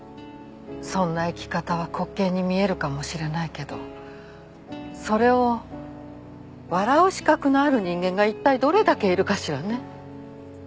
そんな生き方は滑稽に見えるかもしれないけどそれを笑う資格のある人間が一体どれだけいるかしらね？